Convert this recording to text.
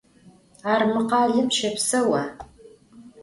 Ar mı khalem şepseua?